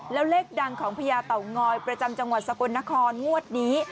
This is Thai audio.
แล้วเลขดังของพญาเต่างอยประจำจังหวัดสกลนครงวดนี้